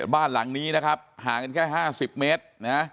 บ้านหลังนี้หากันแค่๕๐เมตร